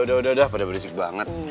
udah udah dah pada berisik banget